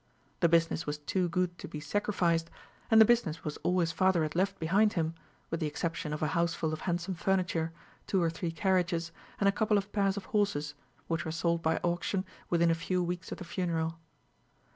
The business was too good to be sacrificed, and the business was all his father had left behind him, with the exception of a houseful of handsome furniture, two or three carriages, and a couple of pairs of horses, which were sold by auction within a few weeks of the funeral.